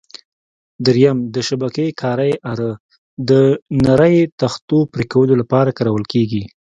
درېیم: د شبکې کارۍ اره: د نرۍ تختو پرېکولو لپاره کارول کېږي.